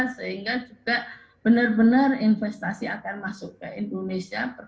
sehingga juga benar benar investasi akan masuk ke indonesia